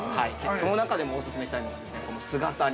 その中でもお勧めしたいのがこの姿煮。